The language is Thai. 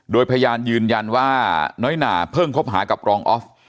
โดยพยานยืนยันว่าน้อยหนาเพิ่งคบหากับรองออฟ